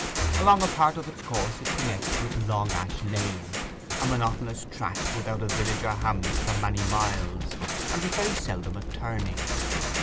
Along a part of its course it connects with Long Ash Lane, a monotonous track without a village or hamlet for many miles, and with very seldom a turning.